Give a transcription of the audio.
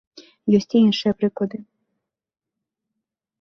Ёсць і іншыя прыклады.